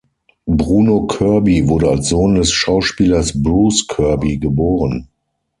Bruno Kirby wurde als Sohn des Schauspielers Bruce Kirby geboren.